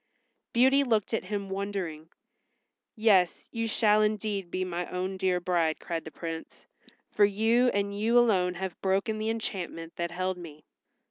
Beauty looked at him wondering. "Yes, you shall indeed be my own dear bride," cried the Prince, "for you and you alone have broken the enchantment that held me."